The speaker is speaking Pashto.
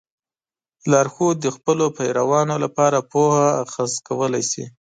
لارښود د خپلو پیروانو لپاره پوهه اخذ کولی شي.